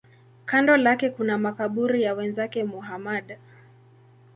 Kando lake kuna makaburi ya wenzake Muhammad.